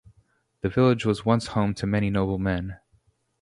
The village was once home to many noble men.